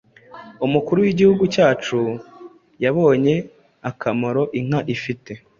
Umukuru w’Igihugu cyacu yabonye akamaro inka ifite